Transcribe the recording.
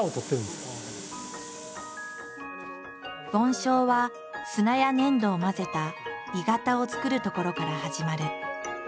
梵鐘は砂や粘土を混ぜた鋳型をつくるところから始まる。